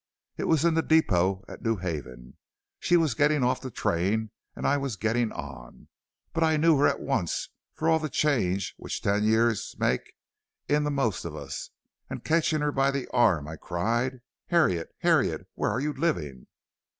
It was in the depot at New Haven. She was getting off the train and I was getting on, but I knew her at once for all the change which ten years make in the most of us, and catching her by the arm, I cried, 'Harriet, Harriet, where are you living?'